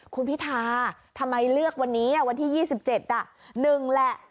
คุณพิธาทำไมเลือกวันนี้วันที่๒๗๑แหละ